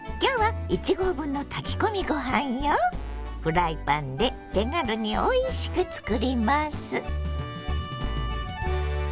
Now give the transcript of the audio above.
フライパンで手軽においしくつくります。